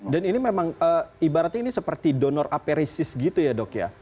ini memang ibaratnya ini seperti donor aperisis gitu ya dok ya